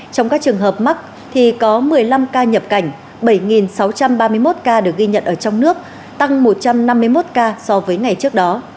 trong các trường hợp mắc thì có một mươi năm ca nhập cảnh bảy sáu trăm ba mươi một ca được ghi nhận ở trong nước tăng một trăm năm mươi một ca so với ngày trước đó